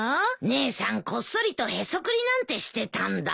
姉さんこっそりとヘソクリなんてしてたんだ。